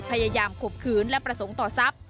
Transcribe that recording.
ข่มขืนและประสงค์ต่อทรัพย์